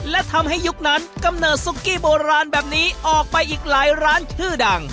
และทำให้ยุคนั้นกำเนิดซุกกี้โบราณแบบนี้ออกไปอีกหลายร้านชื่อดัง